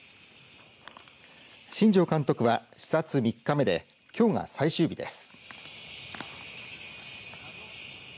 新庄監督は視察３日目できょうが最終日です。